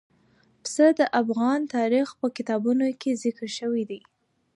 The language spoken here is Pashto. پسه د افغان تاریخ په کتابونو کې ذکر شوي دي.